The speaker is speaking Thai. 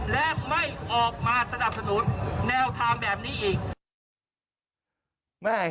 และไม่ออกมาสนับสนุนแนวทางแบบนี้อีก